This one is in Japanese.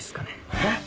えっ⁉